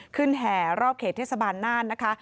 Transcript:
แห่รอบเขตเทศบาลน่านนะคะ